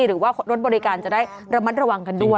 หรือว่ารถบริการจะได้ระมัดระวังกันด้วย